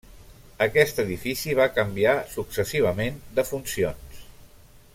Aquest edifici va canviar successivament de funcions.